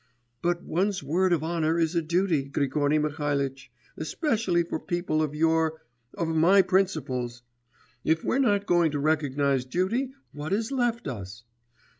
'But one's word of honour is a duty, Grigory Mihalitch, especially for people of your, of my principles! If we're not going to recognise duty, what is left us?